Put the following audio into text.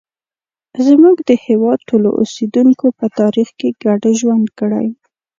زموږ د هېواد ټولو اوسیدونکو په تاریخ کې ګډ ژوند کړی.